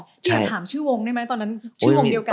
พี่อยากถามชื่อวงได้ไหมตอนนั้นชื่อวงเดียวกัน